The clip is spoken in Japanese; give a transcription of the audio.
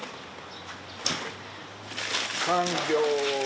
完了！